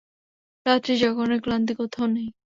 রাত্রি জাগরণের ক্লান্তি কোথাও নেই।